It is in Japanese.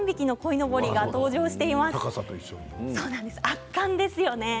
圧巻ですよね。